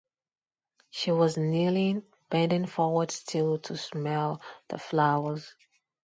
She was kneeling, bending forward still to smell the flowers.